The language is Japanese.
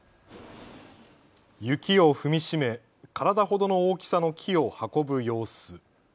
雪を踏み締め体ほどの大きさの木を運ぶ様子。